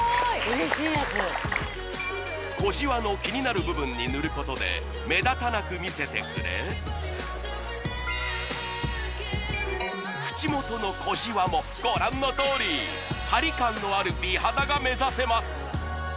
嬉しいやつ小じわのキニナル部分に塗ることで目立たなく見せてくれ口元の小じわもご覧のとおりハリ感のある美肌が目指せます